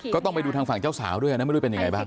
ก็ต้องไปดูทางฝั่งเจ้าสาวด้วยนะไม่รู้เป็นยังไงบ้าง